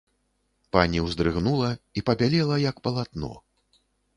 Пані ўздрыгнула і пабялела як палатно.